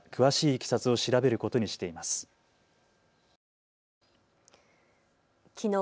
きのう